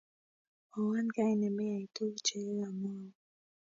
mwowon kaine meyay tuguk chigikamwaun